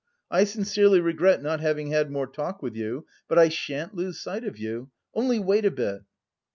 I sincerely regret not having had more talk with you, but I shan't lose sight of you.... Only wait a bit."